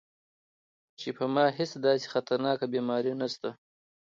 چې پۀ ما هېڅ داسې خطرناکه بيماري نشته -